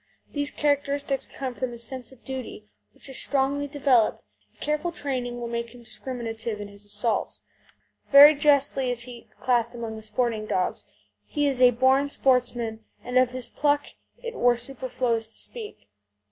These characteristics come from his sense of duty, which is strongly developed, and careful training will make him discriminative in his assaults. Very justly is he classed among the sporting dogs. He is a born sportsman, and of his pluck it were superfluous to speak.